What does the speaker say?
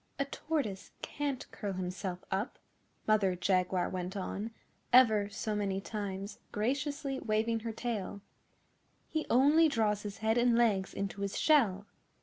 'A Tortoise can't curl himself up,' Mother Jaguar went on, ever so many times, graciously waving her tail. 'He only draws his head and legs into his shell.